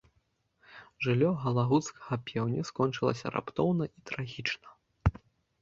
Жыццё галагуцкага пеўня скончылася раптоўна і трагічна.